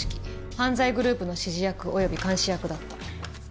犯罪グループの指示役および監視役だった。